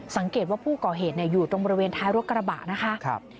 สังเกตว่าผู้ก่อเหตุอยู่ตรงบริเวณท้ายรถกระบะนะคะ